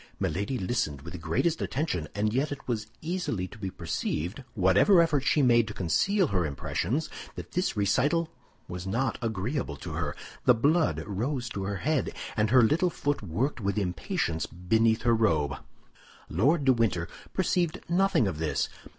Milady listened with the greatest attention, and yet it was easily to be perceived, whatever effort she made to conceal her impressions, that this recital was not agreeable to her. The blood rose to her head, and her little foot worked with impatience beneath her robe. Lord de Winter perceived nothing of this.